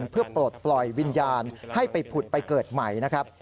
เพื่อปลดปล่อยวิญญาณให้ไปผุดไปเกิดใหม่นะครับ